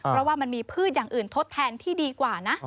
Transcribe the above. เพราะว่ามันมีพืชอย่างอื่นทดแทนที่ดีกว่านะ